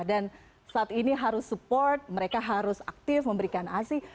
dan saat ini harus support mereka harus aktif memberikan asih